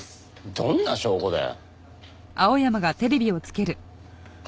どんな証拠だよ。